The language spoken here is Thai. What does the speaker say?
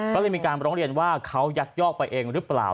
ก็เลยมีการร้องเรียนว่าเขายักยอกไปเองหรือเปล่า